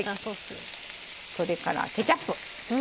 それから、ケチャップ。